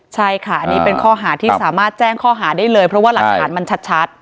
ใช่ค่ะอันนี้เป็นข้อหาที่สามารถแจ้งข้อหาได้เลยเพราะว่าหลักฐานมันชัด